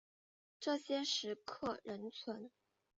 这些石刻仍存。